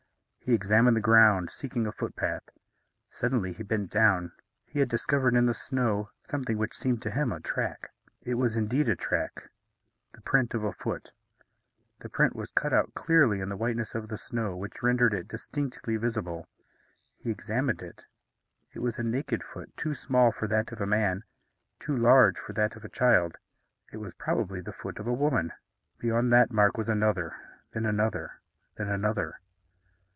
He examined the ground, seeking a footpath. Suddenly he bent down. He had discovered, in the snow, something which seemed to him a track. It was indeed a track the print of a foot. The print was cut out clearly in the whiteness of the snow, which rendered it distinctly visible. He examined it. It was a naked foot; too small for that of a man, too large for that of a child. It was probably the foot of a woman. Beyond that mark was another, then another, then another.